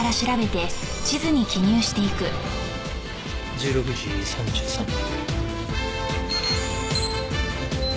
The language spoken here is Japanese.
１６時３３分。